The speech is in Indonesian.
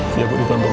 biar aku ditandung